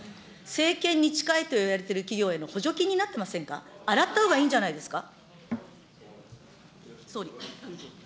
政権に近いといわれる企業への補助金になってませんか、洗ったほうがいいんじゃないですか。